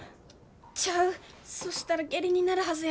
ちゃうそしたら下痢になるはずや。